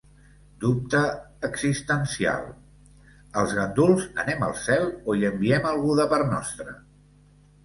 Dubte existencial: els ganduls anem al cel, o hi enviem algú de part nostra?